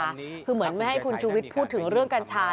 คือเหมือนไม่ให้คุณชูวิทย์พูดถึงเรื่องกัญชา